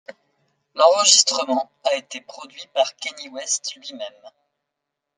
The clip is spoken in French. L'enregistrement a été produit par Kanye West lui-même.